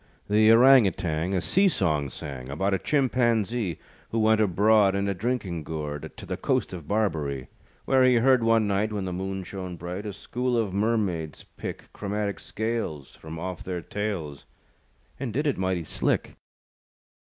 The Orang Outang A sea song sang, About a Chimpanzee Who went abroad, In a drinking gourd, To the coast of Barberee. Where he heard one night, When the moon shone bright, A school of mermaids pick Chromatic scales From off their tails, And did it mighty slick.